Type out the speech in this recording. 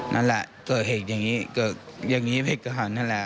นั่นแหละเกิดเหตุอย่างนี้เกิดก็ให้ไปกันนั่นแหละ